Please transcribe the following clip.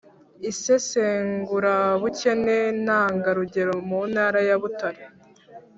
isesengurabukene ntangarugero mu ntara ya butare